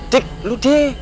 dik lo deh